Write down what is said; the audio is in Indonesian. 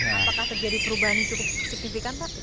apakah terjadi perubahan yang cukup signifikan pak